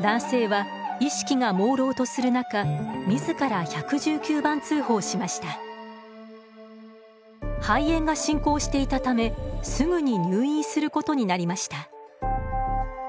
男性は意識がもうろうとする中肺炎が進行していたためすぐに入院することになりました。